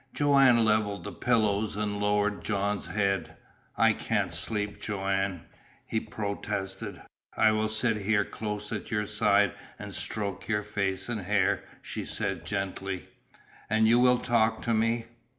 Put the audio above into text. Joanne levelled the pillows and lowered John's head. "I can't sleep, Joanne," he protested. "I will sit here close at your side and stroke your face and hair," she said gently. "And you will talk to me?"